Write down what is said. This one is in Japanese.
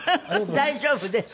大丈夫です。